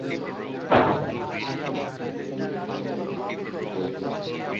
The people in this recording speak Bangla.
সেখানে তাঁর বলিষ্ঠ পিতৃসুলভ মুখ যেন জড়সড়, তাঁর জন্য জায়গা কম।